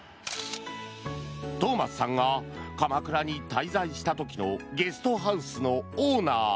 トーマスさんが鎌倉に滞在した時のゲストハウスのオーナー。